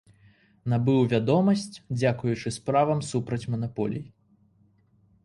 Набыў вядомасць дзякуючы справам супраць манаполій.